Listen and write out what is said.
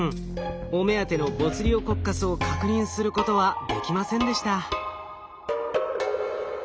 お目当てのボツリオコッカスを確認することはできませんでした。